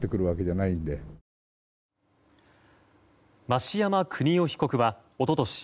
増山邦夫被告は一昨年